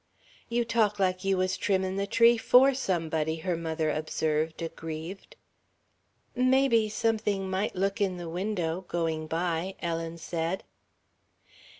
"You talk like you was trimming the tree for somebody," her mother observed, aggrieved. "Maybe something might look in the window going by," Ellen said.